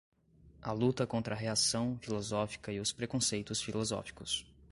a luta contra a reacção filosófica e os preconceitos filosóficos